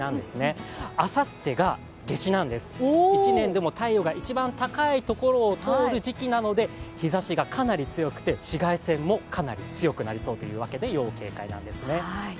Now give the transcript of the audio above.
あさってが夏至なんです、１年でも太陽が最も高いところを通る時期なので、日ざしがかなり強くて紫外線もかなり強そうということで要警戒なんですね。